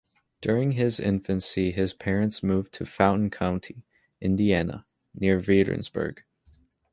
During his infancy his parents moved to Fountain County, Indiana, near Veedersburg.